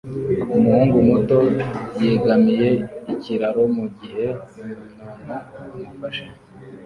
Umuhungu muto yegamiye ikiraro mugihe umuntu amufashe